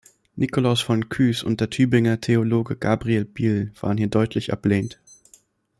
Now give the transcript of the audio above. Nikolaus von Kues und der Tübinger Theologe Gabriel Biel waren hier deutlich ablehnend.